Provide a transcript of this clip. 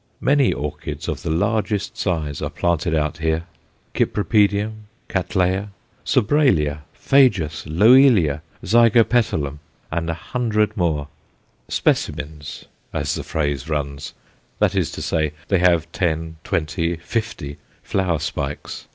Many orchids of the largest size are planted out here Cypripedium, Cattleya, Sobralia, Phajus, Loelia, Zygopetalum, and a hundred more, "specimens," as the phrase runs that is to say, they have ten, twenty, fifty, flower spikes.